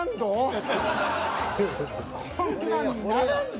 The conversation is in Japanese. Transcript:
こんなんにならんど。